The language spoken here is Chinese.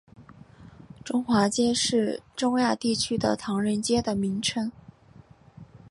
中华街是东亚地区的唐人街的名称。